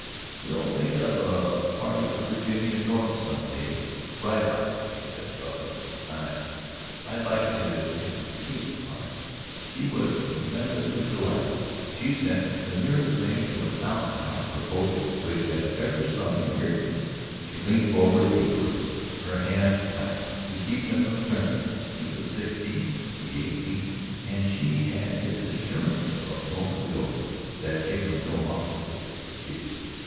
"We'll make up a party with Virginia and Norton some day and ride out there," he said abruptly. "I ... I'd like to have you see it, Fluff." She was tremulously delighted. She sensed the nearest thing to an out and out proposal which had ever sung in her ears. She leaned forward eagerly, her hands clasped to keep them from trembling. She was sixteen, he eighteen ... and she had his assurance of a moment ago that they were no longer just "kids."